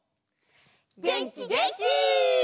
げんきげんき！